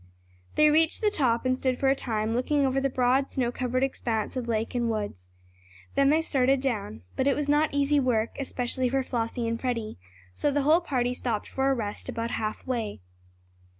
They reached the top, and stood for a time looking over the broad snow covered expanse of lake and woods. Then they started down. But it was not easy work, especially for Flossie and Freddie, so the whole party stopped for a rest about half way.